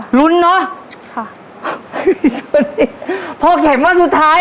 หนึ่งล้านหนึ่งล้าน